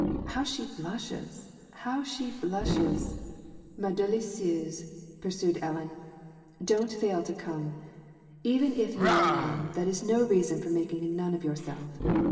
" How she blushes ! How she blushes, ma delicieusej'^ pur sued Ellen. " Don't fail to come. Even if you are in love, that is no reason for making a nun of yourself.